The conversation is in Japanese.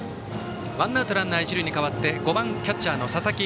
ワンアウトランナー、一塁に変わってバッター、５番のキャッチャーの佐々木。